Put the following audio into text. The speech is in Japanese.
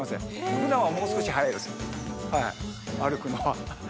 ふだんはもう少し速いです歩くのは。